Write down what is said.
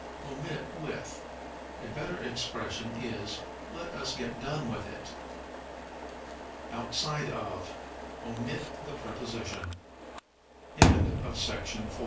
Omit with. A better expression is, Let us get done with it. Outside of. Omit the preposition. Pair for